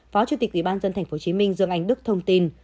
phó chủ tịch ủy ban dân tp hcm dương anh đức thông tin